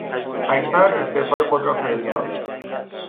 اکبر استعفای خود را فرستاد.